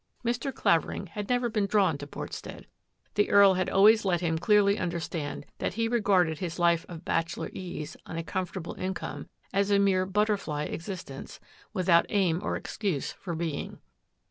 Mr. Clavering had never been drawn to Portstead. The Earl had always let him clearly understand that he regarded his life of bachelor ease on a comfortable income as a mere butterfly existence, without aim or excuse for being.